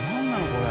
これ。